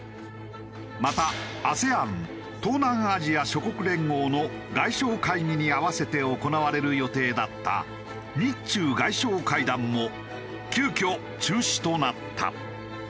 またＡＳＥＡＮ東南アジア諸国連合の外相会議に合わせて行われる予定だった日中外相会談も急遽中止となった。